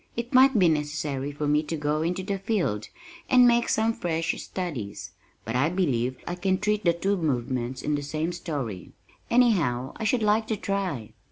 It might be necessary for me to go into the field, and make some fresh studies, but I believe I can treat the two movements in the same story. Anyhow I should like to try."